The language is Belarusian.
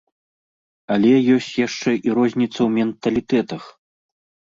Але ёсць яшчэ і розніца ў менталітэтах.